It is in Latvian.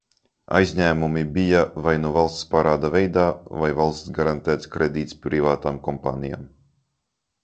Aizņēmumi bija vai nu valsts parāda veidā, vai valsts garantēts kredīts privātām kompānijām.